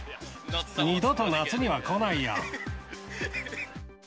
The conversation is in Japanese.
二度と夏には来ないよ。